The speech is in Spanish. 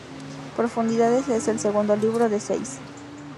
Profundidades es el segundo libro de seis.